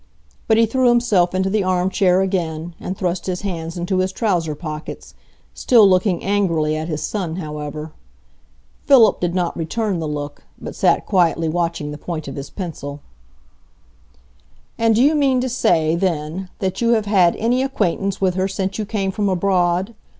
But he threw himself into the armchair again, and thrust his hands into his trouser pockets, still looking angrily at his son, however. Philip did not return the look, but sat quietly watching the point of his pencil. "And do you mean to say, then, that you have had any acquaintance with her since you came from abroad?"